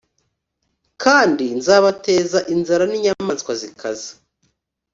kandi nzabateza inzara n inyamaswa zikaze